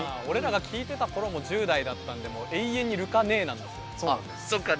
俺らが聴いてた頃も１０代だったんでもう永遠に「ルカ姉」なんですよ。